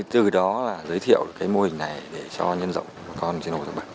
từ đó là giới thiệu cái mô hình này để cho nhân rộng của con trên hồ thái bà